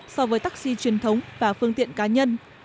so với taxi truyền thống và phương tiện cá nhân